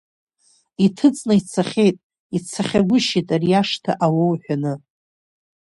Иҭыҵны ицахьеит, ицахьагәышьеит, ари ашҭа ауоу ҳәаны.